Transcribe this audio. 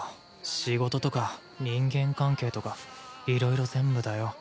仕事とか人間関係とかいろいろ全部だよ。